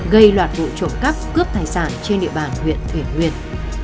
gây loạt vụ trộm cắp cướp tài sản trên địa bàn huyện thủy nguyên